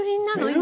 今。